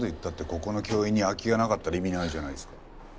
ここの教員に空きがなかったら意味ないじゃないですか。